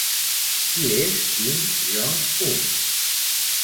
Qui és Kim Jong-un?